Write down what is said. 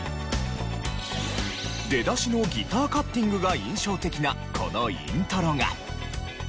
出だしのギターカッティングが印象的なこのイントロが。